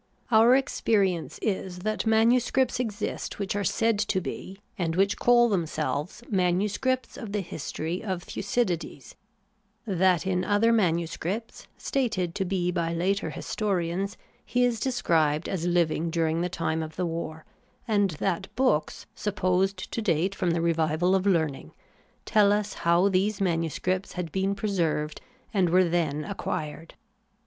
Our experience is that manuscripts exist which are said to be and which call themselves manuscripts of the history of Thucydides ; that in other manuscripts, stated to be by later historians, he is described as hving during the time of the war ; and that books, supposed to date THE ETHICS OF BELIEF. 209 from the revival of learning, tell us how these manu scripts had been preserved and were then acquired.